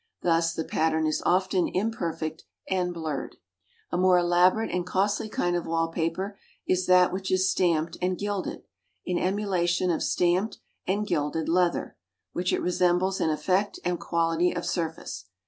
Thus the pattern is often imperfect and blurred. A more elaborate and costly kind of wall paper is that which is stamped and gilded, in emulation of stamped and gilded leather, which it resembles in effect and quality of surface.